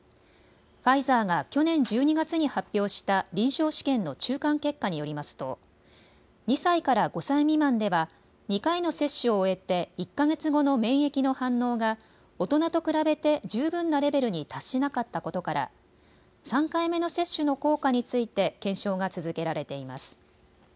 ファイザーが去年１２月に発表した臨床試験の中間結果によりますと２歳から５歳未満では２回の接種を終えて１か月後の免疫の反応が大人と比べて十分なレベルに達しなかったことから３回目の接種の効果について検証が続けられています。